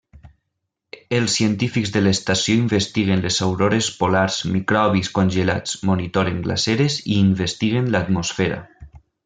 Els científics de l'estació investiguen les aurores polars, microbis congelats, monitoren glaceres i investiguen l'atmosfera.